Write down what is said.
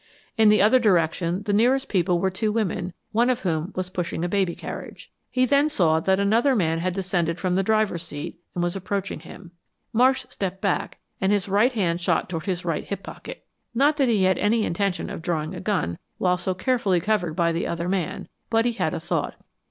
In the other direction, the nearest people were two women, one of whom was pushing a baby carriage. He then saw that another man had descended from the driver's seat and was approaching him. Marsh stepped back and his right hand shot toward his right hip pocket. Not that he had any intention of drawing a gun while so carefully covered by the other man, but he had a thought.